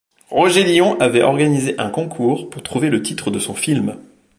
Roger Lion avait organisé un concours pour trouver le titre de son film.